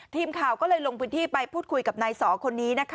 ทีมข่าวก็เลยลงพื้นที่ไปพูดคุยกับนายสอคนนี้นะคะ